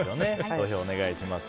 投票お願いします。